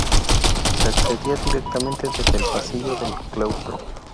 Se accedía directamente desde el pasillo del claustro.